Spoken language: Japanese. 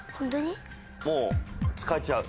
もう使っちゃう。